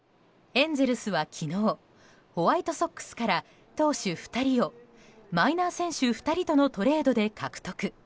エンゼルスは昨日ホワイトソックスから投手２人をマイナー選手２人とのトレードで獲得。